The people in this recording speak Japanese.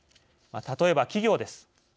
例えば企業です。